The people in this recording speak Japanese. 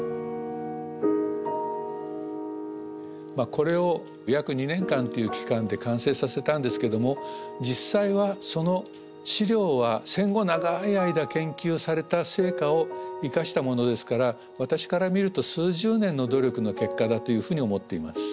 これを約２年間っていう期間で完成させたんですけども実際はその史料は戦後長い間研究された成果を生かしたものですから私から見ると数十年の努力の結果だというふうに思っています。